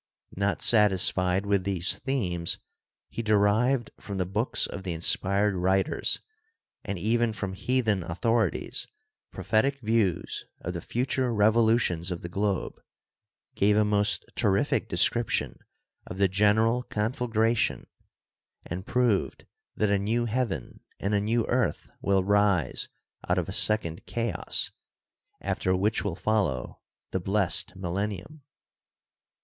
Not satisfied with these themes, he derived from the books of the inspired writers and even from heathen authorities prophetic views of the future revolutions of the globe, gave a most terrific description of the general conflagration and proved that a new heaven and a new earth will rise out of a second chaos — after which will follow the blest millennium.